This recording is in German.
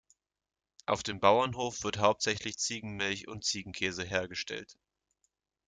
Auf dem Bauernhof wird hauptsächlich Ziegenmilch und Ziegenkäse hergestellt.